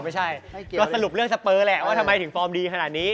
ไม่ใช่ก็สรุปเรื่องสเปอร์แหละว่าทำไมถึงฟอร์มดีขนาดนี้